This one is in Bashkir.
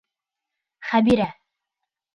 Хәбирә.